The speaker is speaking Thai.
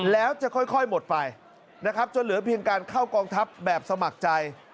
แล้วจะค่อยหมดไปนะครับจนเหลือเพียงการเข้ากองทัพแบบสมัครใจ